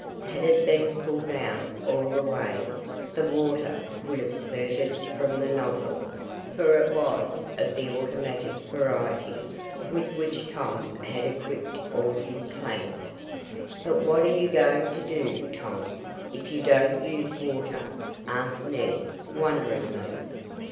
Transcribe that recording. Had it been pulled out all the way the water would have spurted from the nozzle, for it was of the automatic variety, with which Tom had equipped all his plant. "But what are you going to do, Tom, if you don't use water?" asked Ned, wonderingly.